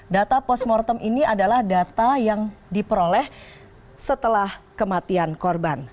data postmortem ini adalah data yang diperoleh setelah kematian korban